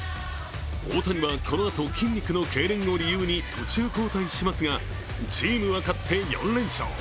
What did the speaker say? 大谷は、このあと筋肉のけいれんを理由に途中交代しますが、チームは勝って４連勝。